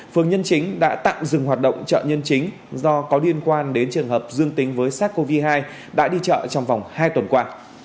phường nhân chính đã tạm dừng hoạt động chợ nhân chính do có liên quan đến trường hợp dương tính với sars cov hai đã đi chợ trong vòng hai tuần qua